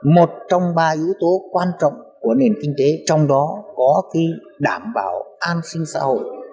một trong ba yếu tố quan trọng của nền kinh tế trong đó có đảm bảo an sinh xã hội